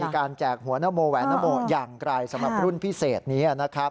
การแจกหัวนโมแหวนนโมอย่างไกลสำหรับรุ่นพิเศษนี้นะครับ